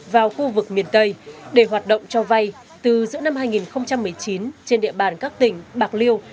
vào khu vực miền tây để hoạt động cho vay từ giữa năm hai nghìn một mươi chín trên địa bàn các tỉnh bạc liêu